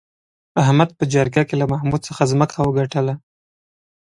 احمد په جرگه کې له محمود څخه ځمکه وگټله